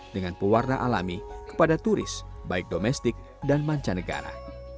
dengan pewarna alami kepada turis baik domestik dan mancanegara